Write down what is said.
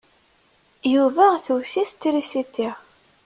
Yuba tewwet-it trisiti.